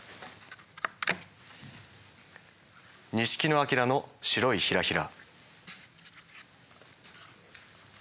錦野旦の白いひらひら。